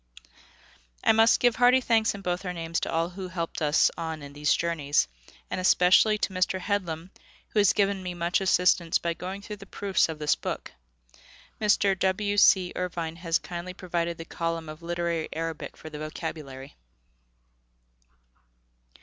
I must give hearty thanks in both our names to all who helped us on in these journeys, and especially to Mr. Headlam, who has given me much assistance by going through the proofs of this book. Mr. W. C. Irvine has kindly provided the column of literary Arabic for the vocabulary.